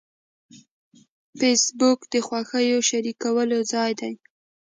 فېسبوک د خوښیو شریکولو ځای دی